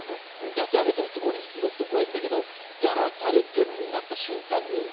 やってあげてるつもりの時はいいんだけど「やらされてる」になった瞬間にこれはね